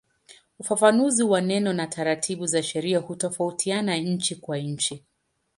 Ufafanuzi wa neno na taratibu za sheria hutofautiana nchi kwa nchi.